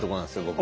僕。